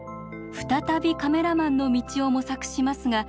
再びカメラマンの道を模索しますが挫折。